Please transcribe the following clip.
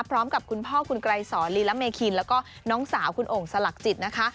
พร้อมกับคุณพ่อคุณไกรสอนลีละเมคินแล้วก็น้องสาวคุณโอ่งสลักจิตนะคะ